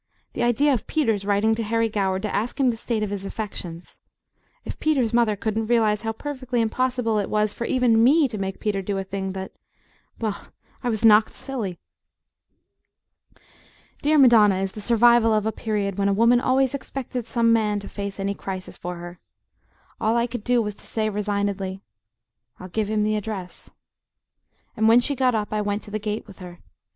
The idea of Peter's writing to Harry Goward to ask him the state of his affections! If Peter's mother couldn't realize how perfectly impossible it was for even ME to make Peter do a thing that Well I was knocked silly. Dear Madonna is the survival of a period when a woman always expected some man to face any crisis for her. All I could do was to say, resignedly: "I'll give him the address." And when she got up I went to the gate with her.